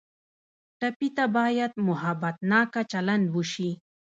ټپي ته باید محبتناکه چلند وشي.